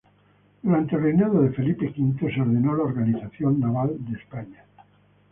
Durante el reinado de Felipe V se ordenó la organización naval de España.